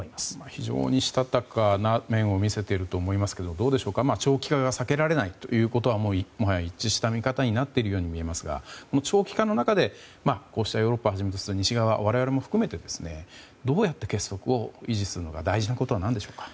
非常にしたたかな面を見せていると思いますが長期化が避けられないということはもはや一致した見方になっていると思いますが長期化の中で、こうしたヨーロッパをはじめとする西側、我々も含めてどうやって結束を維持するのが大事なことでしょうか。